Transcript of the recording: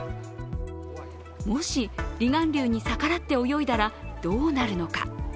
もし離岸流に逆らって泳いだらどうなるのか。